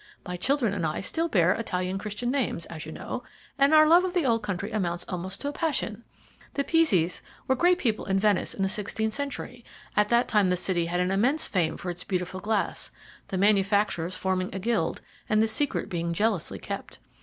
My children and I still bear Italian Christian names, as you know, and our love for the old country amounts almost to a passion. The Pizzis were great people in Venice in the sixteenth century; at that time the city had an immense fame for its beautiful glass, the manufacturers forming a guild, and the secret being jealously kept.